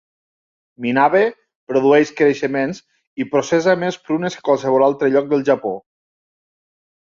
Minabe produeix creixements i processa més prunes que qualsevol altre lloc del Japó.